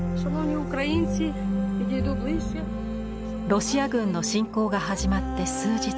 ロシア軍の侵攻が始まって数日後。